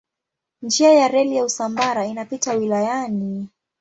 Njia ya reli ya Usambara inapita wilayani.